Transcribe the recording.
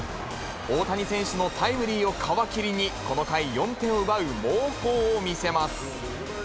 大谷選手のタイムリーを皮切りにこの回、４点を奪う猛攻を見せます。